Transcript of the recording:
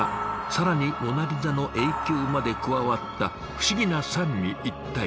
更に「モナリザ」の影響まで加わった不思議な三位一体。